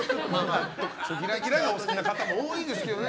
ギラギラがお好きな人も多いですけどね。